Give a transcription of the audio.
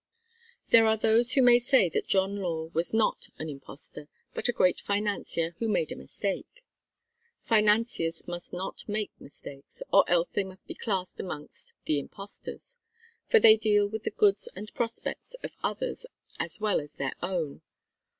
There are those who may say that John Law was not an impostor, but a great financier who made a mistake. Financiers must not make mistakes or else they must be classed amongst the impostors; for they deal with the goods and prospects of others as well as their own.